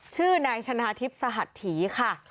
ชื่อนายชนะทิพย์สหัสถีค่ะ